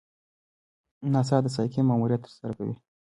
ناسا د سایکي ماموریت ترسره کوي.